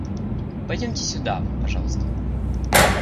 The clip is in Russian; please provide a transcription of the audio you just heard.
Пойдемте сюда, пожалуйста.